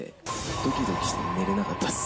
ドキドキして寝れなかったです。